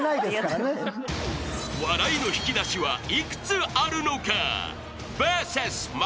［笑いの引き出しは幾つあるのか？］